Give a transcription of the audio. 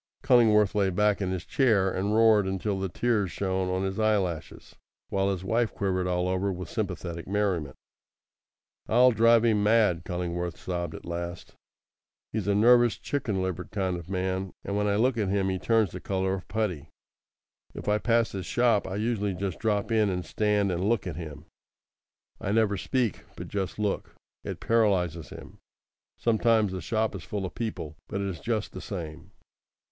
Cullingworth lay back in his chair and roared until the tears shone on his eyelashes, while his wife quivered all over with sympathetic merriment. "I'll drive him mad," Cullingworth sobbed at last. "He's a nervous, chicken livered kind of man; and when I look at him he turns the colour of putty. If I pass his shop I usually just drop in and stand and look at him. I never speak, but just look. It paralyses him. Sometimes the shop is full of people; but it is just the same."